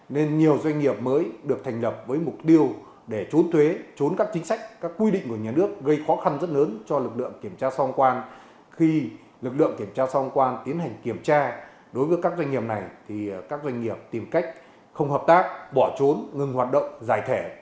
kiểm tra đối với các doanh nghiệp này thì các doanh nghiệp tìm cách không hợp tác bỏ trốn ngừng hoạt động giải thể